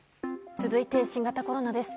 続いて新型コロナです。